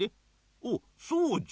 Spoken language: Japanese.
おっそうじゃ。